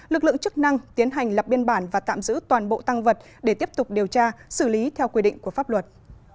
lực lượng chức năng tiến hành lập biên bản và tạm giữ toàn bộ tăng vật để tiếp tục điều tra xử lý theo quy định của pháp luật